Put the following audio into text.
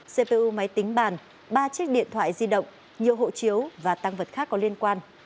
cpu máy tính bàn ba chiếc điện thoại di động nhiều hộ chiếu và tăng vật khác có liên quan